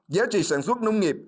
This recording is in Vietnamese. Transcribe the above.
giá trị sản xuất nông nghiệp